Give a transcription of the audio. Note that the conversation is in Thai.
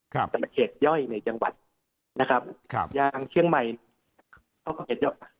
ครับจะเป็นเขตย่อยในจังหวัดนะครับครับอย่างเชียงใหม่เขาก็เป็นเขตย่อนะครับ